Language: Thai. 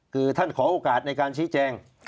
คือท่านขอโอกาสในการชี้แจง